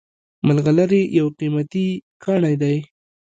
ملغلرې یو قیمتي کاڼی دی